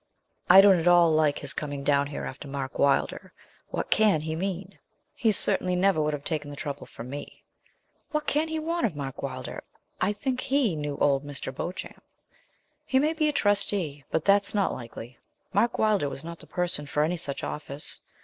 I don't at all like his coming down here after Mark Wylder; what can he mean? He certainly never would have taken the trouble for me. What can he want of Mark Wylder? I think he knew old Mr. Beauchamp. He may be a trustee, but that's not likely; Mark Wylder was not the person for any such office.